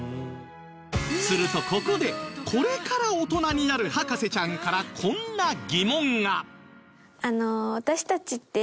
するとここでこれから大人になる博士ちゃんからこんな疑問が